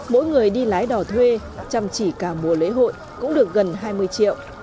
mỗi người đi lái đò thuê chăm chỉ cả mùa lễ hội cũng được gần hai mươi triệu